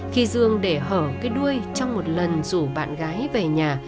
khi dương để hở cái đuôi trong một lần rủ bạn gái về nhà